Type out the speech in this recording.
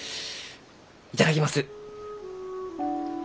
頂きます。